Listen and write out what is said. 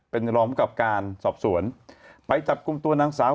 เป็นรองกับการสอบสวนไปจับกลุ่มตัวนางสาว